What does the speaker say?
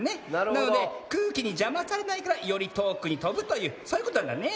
なのでくうきにじゃまされないからよりとおくにとぶというそういうことなんだね。